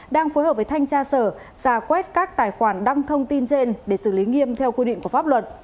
đang phối hợp với thanh tra sở ra quét các tài khoản đăng thông tin trên để xử lý nghiêm theo quy định của pháp luật